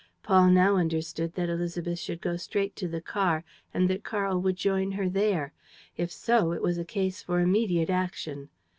..." Paul now understood that Élisabeth would go straight to the car and that Karl would join her there. If so, it was a case for immediate action.